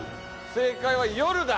正解は「夜」だ。